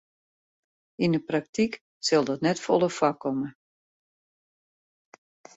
Yn 'e praktyk sil dat net folle foarkomme.